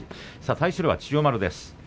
対するは千代丸です。